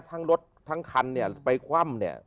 ทั้งรถทั้งคันเนี่ยไปคว่ำเนี่ย